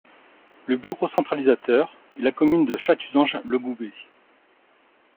Le bureau centralisateur est la commune de Chatuzange-le-Goubet.